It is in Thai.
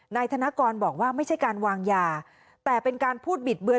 นายธนกรบอกว่าไม่ใช่การวางยาแต่เป็นการพูดบิดเบือน